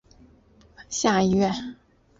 下议院。